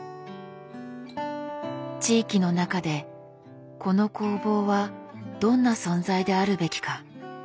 地域の中でこの工房はどんな存在であるべきか？